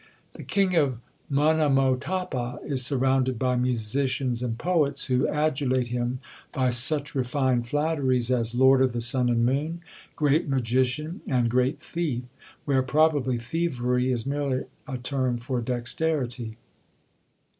The king of Monomotapa is surrounded by musicians and poets, who adulate him by such refined flatteries as lord of the sun and moon; great magician; and great thief! where probably thievery is merely a term for dexterity.